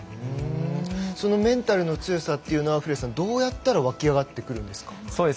そのメンタルの強さというのは古屋さん、どうやったら湧き上がってくるんですか。